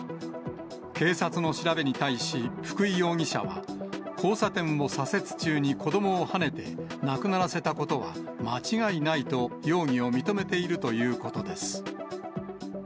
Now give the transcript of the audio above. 警察の調べに対し、福井容疑者は、交差点を左折中に子どもをはねて、亡くならせたことは間違いないと、容疑を認めているということです。